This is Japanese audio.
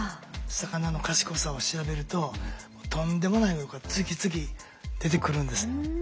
魚の賢さを調べるととんでもないことが次々出てくるんです。